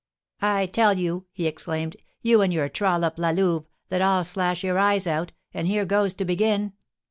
"I tell you," he exclaimed, "you and your trollop, La Louve, that I'll slash your eyes out; and here goes to begin!